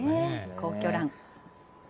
皇居ラン。